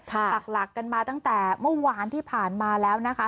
ปากหลักกันมาตั้งแต่เมื่อวานที่ผ่านมาแล้วนะคะ